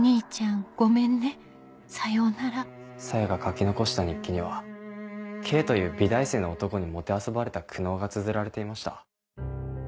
あぁ‼沙耶が書き残した日記には「Ｋ」という美大生の男にもてあそばれた苦悩がつづられていました。